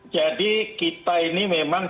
jadi kita ini memang